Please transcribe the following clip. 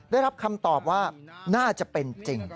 ได้รับคำตอบว่าน่าจะเป็นจริง